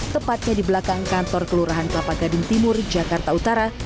tepatnya di belakang kantor kelurahan kelapa gading timur jakarta utara